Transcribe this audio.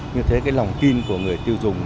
như thế cái lòng tin của người tiêu dùng